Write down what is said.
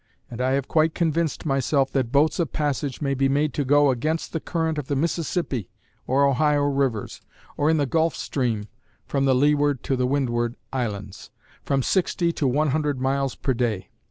and I have quite convinced myself that boats of passage may be made to go against the current of the Mississippi or Ohio rivers, or in the Gulf Stream (from the Leeward to the Windward Islands) from sixty to one hundred miles per day.